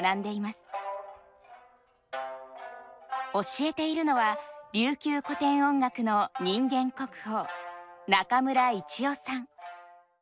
教えているのは琉球古典音楽の人間国宝中村一雄さん。